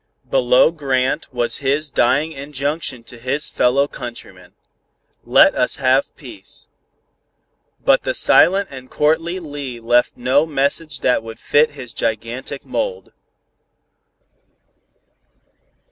Below Grant, was his dying injunction to his fellow countrymen: "Let us have peace." But the silent and courtly Lee left no message that would fit his gigantic mold.